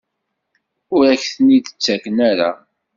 Ur ak-ten-id-ttaken ara?